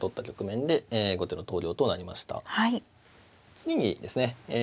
次にですね